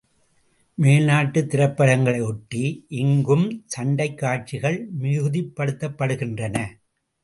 மேல் நாட்டுத் திரைப்படங்களை ஒட்டி இங்கும் சண்டைக் காட்சிகள் மிகுதிப்படுத்தப்படுகின்றன.